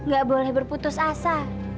gak boleh berputus asa